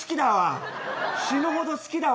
死ぬほど好きだわ。